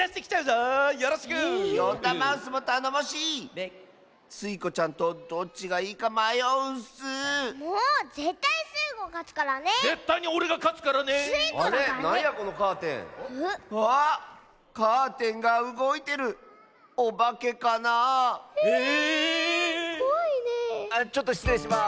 あっちょっとしつれいします。